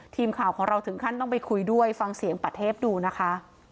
ทีมข่าวของเราถึงขั้นต้องไปคุยด้วยฟังเสียงปะเทพดูนะคะ